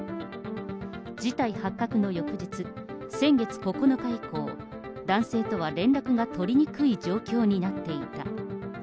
事態発覚の翌日、先月９日以降、男性とは連絡が取りにくい状況になっていた。